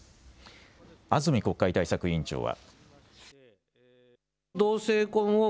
安住国会対策委員長は。